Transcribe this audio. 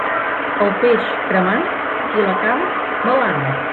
El peix, cremant; i la carn, belant.